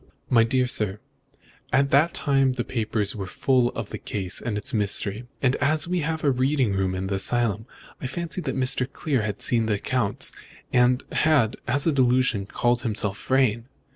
"My dear sir, at that time the papers were full of the case and its mystery, and as we have a reading room in this asylum, I fancied that Clear had seen the accounts, and had, as a delusion, called himself Vrain.